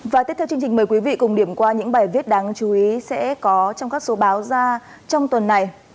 và tiếp theo chương trình mời quý vị cùng điểm qua những bài viết đáng chú ý sẽ có trong các số báo ra trong tuần này